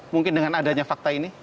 mungkin dengan adanya fakta ini